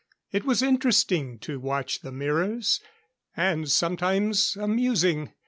It was interesting to watch the mirrors and sometimes amusing.